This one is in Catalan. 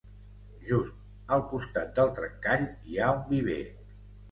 Just al costat del trencall, hi ha un viver.